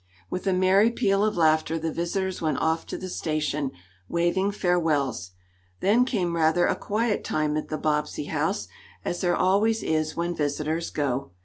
With a merry peal of laughter the visitors went off to the station, waving farewells. Then came rather a quiet time at the Bobbsey house, as there always is when visitors go.